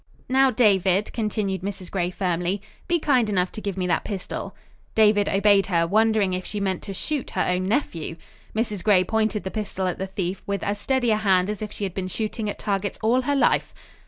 "Now, David," continued Mrs. Gray, firmly, "be kind enough to give me that pistol." David obeyed her, wondering if she meant to shoot her own nephew. Mrs. Gray pointed the pistol at the thief with as steady a hand as if she had been shooting at targets all her life.